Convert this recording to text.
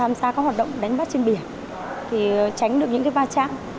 khi bà con tham gia các hoạt động đánh bắt trên biển thì tránh được những cái va chạm